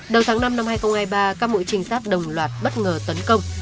đầu tháng năm năm hai nghìn hai mươi ba các mũi trinh sát đồng loạt bất ngờ tấn công